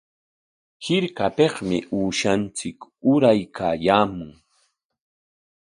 Hirkapikmi uushanchik uraykaayaamun.